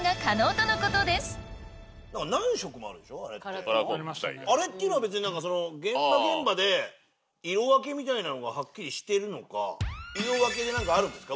この工場ではあれっていうのは別に何かその現場現場で色分けみたいなのがはっきりしてるのか色分けで何かあるんですか？